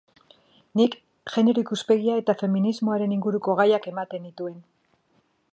Nik genero ikuspegia eta feminismoaren inguruko gaiak ematen nituen.